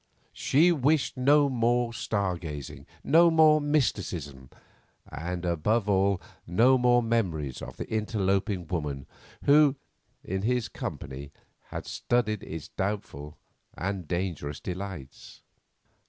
She wished for no more star gazing, no more mysticism, and, above all, no more memories of the interloping woman who, in his company, had studied its doubtful and dangerous delights.